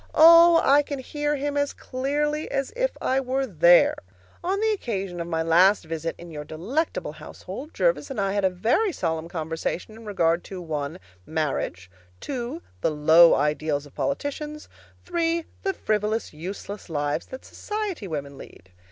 Oh, I can hear him as clearly as if I were there! On the occasion of my last visit in your delectable household Jervis and I had a very solemn conversation in regard to (1) marriage, (2) the low ideals of politicians, (3) the frivolous, useless lives that society women lead.